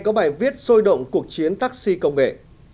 có bài viết sôi động cuộc chiến taxi công nghệ